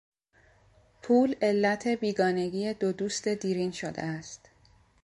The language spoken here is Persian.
پول علت بیگانگی دو دوست دیرین شده است.